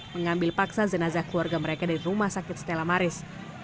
mengambil paksa jenazah keluarga mereka dari rumah sakit stella maris